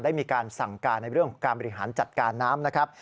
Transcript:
ได้มีการสั่งการในเรื่องของการบริหารจัดการน้ำนะครับ